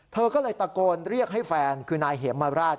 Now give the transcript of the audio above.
เธอก็เลยตะโกนเรียกให้แฟนคือนายเหมราช